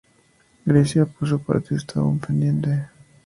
Grecia, por su parte, está aún pendiente.